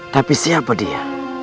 tapi siapa dia